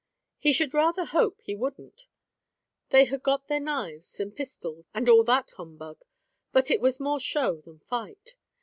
"He should rather hope he wouldn't. They had got their knives, and pistols, and all that humbug. But it was more show than fight.